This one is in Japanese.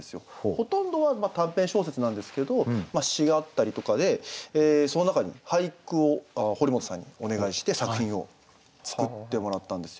ほとんどは短編小説なんですけど詩があったりとかでその中に俳句を堀本さんにお願いして作品を作ってもらったんですよ。